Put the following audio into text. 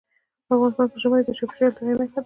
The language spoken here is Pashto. افغانستان کې ژمی د چاپېریال د تغیر نښه ده.